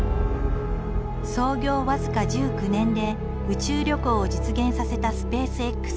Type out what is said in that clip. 創業僅か１９年で宇宙旅行を実現させたスペースＸ。